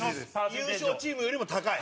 山崎：優勝チームよりも高い。